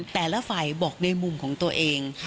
แต่ละฝ่ายบอกในมุมของตัวเอง